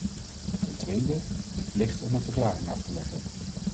Ten tweede, de plicht om een verklaring af te leggen.